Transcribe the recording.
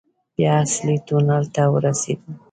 بيا اصلي تونل ته ورسېدو.